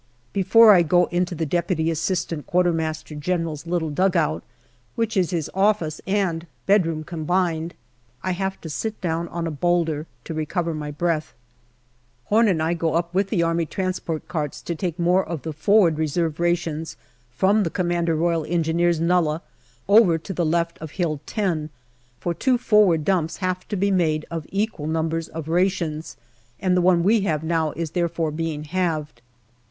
Before I go into the D.A.Q.M.G/s little dugout, which is his office and bedroom combined, I have to sit down on a boulder to recover my breath. Horn and I go up with the A.T. carts to take more of the forward reserve rations from the C.R.E. nullah over to the left of Hill 10, for two forward dumps have to be made of equal numbers of rations, and the one we have now is therefore being halved.